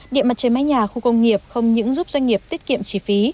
điện mặt trời mái nhà khu công nghiệp không những giúp doanh nghiệp tiết kiệm chi phí